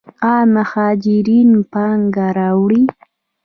آیا مهاجرین پانګه راوړي؟